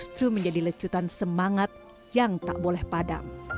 justru menjadi lecutan semangat yang tak boleh padam